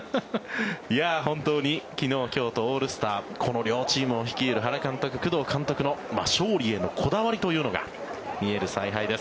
本当に昨日、今日とオールスターこの両チームを率いる原監督、工藤監督の勝利へのこだわりというのが見える采配です。